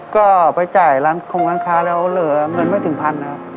ก็ไปจ่ายร้านคงร้านค้าแล้วเหลือเงินไม่ถึงพันนะครับ